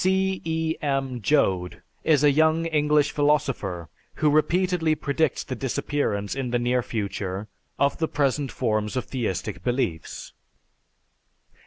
C. E. M. Joad is a young English philosopher who repeatedly predicts the disappearance in the near future of the present forms of theistic beliefs.